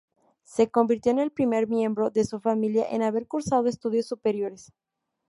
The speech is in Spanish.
Se convirtió en el primer miembro de su familia en haber cursado estudios superiores.